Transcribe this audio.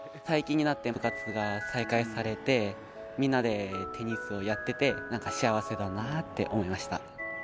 最近になって部活が再開されてみんなでテニスをやってて幸せだなって思いました。